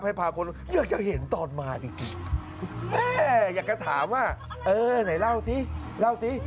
ให้พาคนเหลือเจ้าเห็นตอนมาจริงแม่อยากจะถามว่าเออไหนเล่าสิ